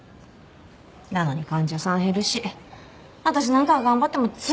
なのに患者さん減るし私なんかが頑張っても全然駄目。